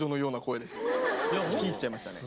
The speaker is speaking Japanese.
聞き入っちゃいましたね。